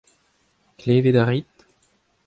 Klevet a rit ?